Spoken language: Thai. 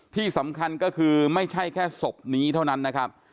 ที่สำคัญก็คือไม่ใช่แค่ศพนี้เท่านั้นนะครับ